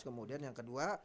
kemudian yang kedua